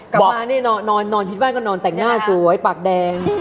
มานี่นอนที่บ้านก็นอนแต่งหน้าสวยปากแดง